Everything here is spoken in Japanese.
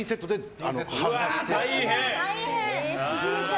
大変！